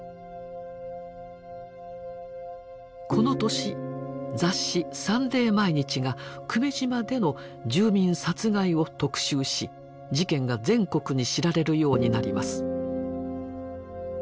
この年雑誌「サンデー毎日」が久米島での住民殺害を特集し事件が全国に知られるようになります。